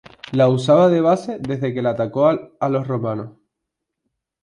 La usaba de base desde la que atacó a los romanos.